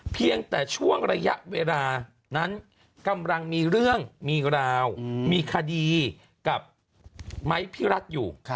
เพียงแต่ช่วงระยะเวลานั้นกำลังมีเรื่องมีราวมีคดีกับไมค์พี่รัฐอยู่